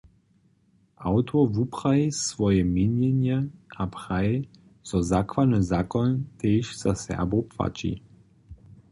Awtor wupraji swoje měnjenje a praji, zo zakładny zakoń tež za Serbow płaći.